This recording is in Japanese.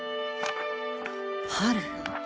春。